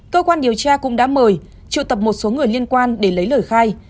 cơ quan điều tra cũng đã mời triệu tập một số người liên quan để lấy lời khai